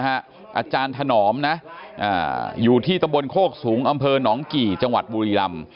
อาจารย์ถนอมนะอยู่ที่ตะบนโคกสูงอำเภอหนองกี่จังหวัดบุรีรำ